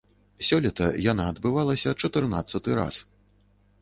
Сёлета яна адбывалася чатырнаццаты раз.